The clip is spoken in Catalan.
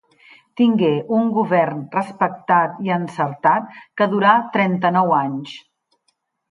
Tingué un govern respectat i encertat que durà trenta-nou anys.